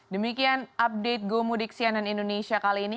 demikian update go mudik sianan indonesia kali ini